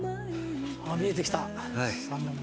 見えてきた山門前。